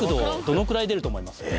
どのくらい出ると思いますか？